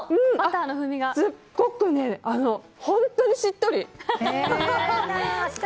すっごく、本当にしっとり。